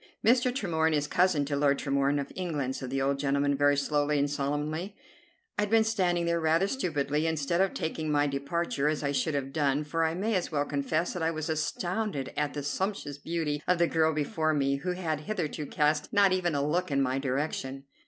"Mr. Tremorne is cousin to Lord Tremorne, of England," said the old gentleman very slowly and solemnly. I had been standing there rather stupidly, instead of taking my departure, as I should have done, for I may as well confess that I was astounded at the sumptuous beauty of the girl before me, who had hitherto cast not even a look in my direction.